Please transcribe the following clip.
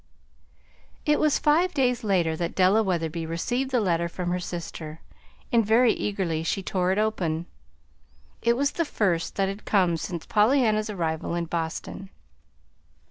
It was five days later that Della Wetherby received the letter from her sister, and very eagerly she tore it open. It was the first that had come since Pollyanna's arrival in Boston.